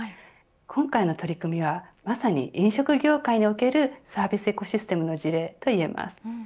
今回の取り組みはまさに飲食業界におけるサービス・エコシステムの事例といえます。